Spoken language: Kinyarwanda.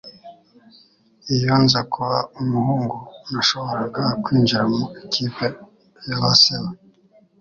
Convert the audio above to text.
Iyo nza kuba umuhungu, nashoboraga kwinjira mu ikipe ya baseba